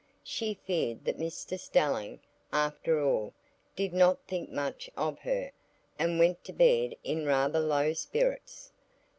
She feared that Mr Stelling, after all, did not think much of her, and went to bed in rather low spirits.